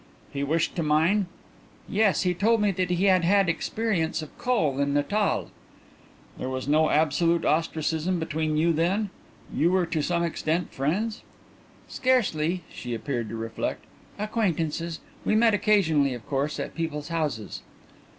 "He wished to mine?" "Yes. He told me that he had had experience of coal in Natal." "There was no absolute ostracism between you then? You were to some extent friends?" "Scarcely." She appeared to reflect. "Acquaintances.... We met occasionally, of course, at people's houses."